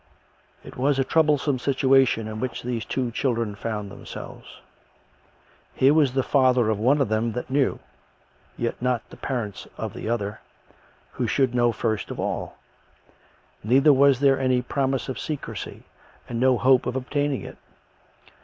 It was a troublesome situation in which these two chil dren found themselves. Here was the father of one of them that knew, yet not the parents of the other, who should know first of all. Neither was there any promise of secrecy and no hope of obtaining it.